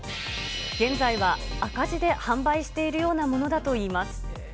現在は赤字で販売しているようなものだといいます。